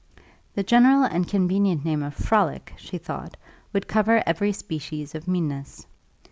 The general and convenient name of frolic, she thought, would cover every species of meanness.